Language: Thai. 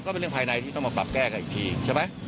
ก็เป็นเรื่องภายในที่ต้องมาปรับแก้กันอีกทีใช่ไหม